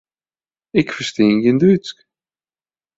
Ik ferstean gjin Dútsk.